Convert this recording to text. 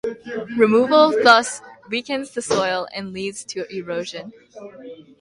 Removal thus weakens the soil and leads to erosion.